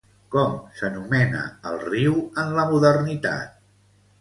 Com s'anomena el riu en la modernitat?